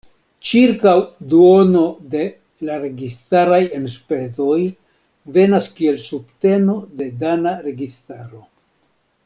Ĉirkaŭ duono de la registaraj enspezoj venas kiel subteno de dana registaro.